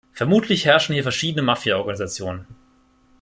Vermutlich herrschen hier verschiedene Mafiaorganisationen.